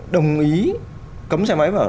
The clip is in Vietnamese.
đồng ý cấm xe máy vào